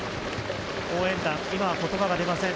応援団、言葉が出ません。